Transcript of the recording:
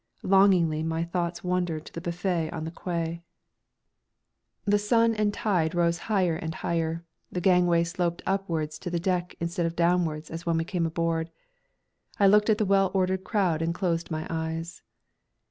Longingly my thoughts wandered to the buffet on the Quai. The sun and the tide rose higher and higher, the gangway sloped upwards to the deck instead of downwards as when we came aboard. I looked at the well ordered crowd and closed my eyes.